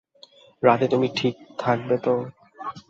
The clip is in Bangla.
রাতে তুমি ঠিক থাকবে তো?